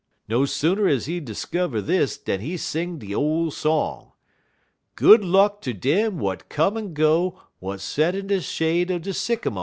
No sooner is he skivver dis dan he sing de ole song: "'_Good luck ter dem w'at come and go, W'at set in de shade er de sycamo'.